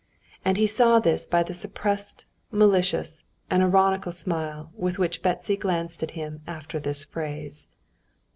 And he saw this by the suppressed, malicious, and ironical smile with which Betsy glanced at him after this phrase.